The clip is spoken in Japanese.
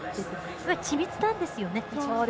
緻密なんですよね。